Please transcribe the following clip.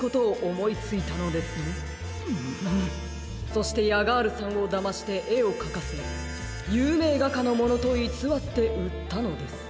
そしてヤガールさんをだましてえをかかせゆうめいがかのものといつわってうったのです。